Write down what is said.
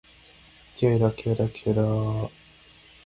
気合いだ、気合いだ、気合いだーっ！！！